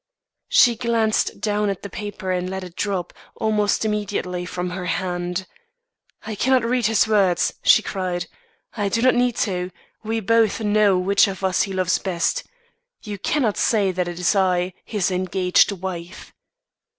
"She glanced down at the paper and let it drop, almost immediately, from her hand, 'I cannot read his words!' she cried; 'I do not need to; we both know which of us he loves best. You cannot say that it is I, his engaged wife.